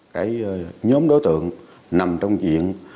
cái nhóm đối tượng nằm trong chuyện